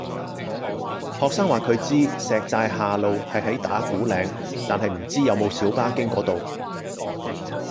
學生話佢知石寨下路係喺打鼓嶺，但係唔知有冇小巴經嗰度